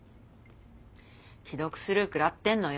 既読スルー食らってんのよ。